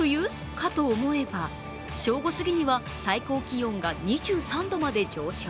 かと思えば正午過ぎには最高気温が２３度まで上昇。